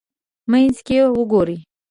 منځ یې وګورئ.